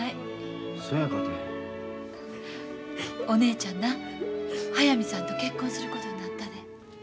お姉ちゃんな速水さんと結婚することになったで。